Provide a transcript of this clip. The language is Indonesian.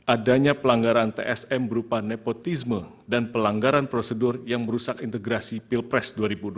adanya pelanggaran tsm berupa nepotisme dan pelanggaran prosedur yang merusak integrasi pilpres dua ribu dua puluh